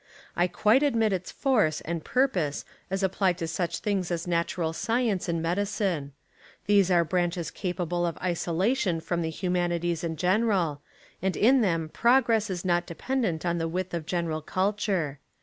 I quite admit its force and purpose as applied to such things as natural science and medicine. These are branches capable of isolation from the humani ties in general, and in them progress is not de pendent on the width of general culture.